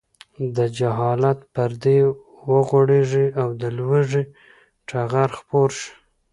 د جهالت پردې وغوړېږي او د لوږې ټغر خپور شي.